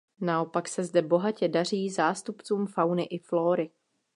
Naopak se zde bohatě daří zástupcům fauny i flóry.